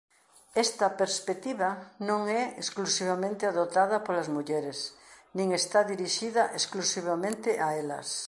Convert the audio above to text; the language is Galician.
Esta perspectiva non é exclusivamente adoptada polas mulleres nin está dirixida exclusivamente a elas.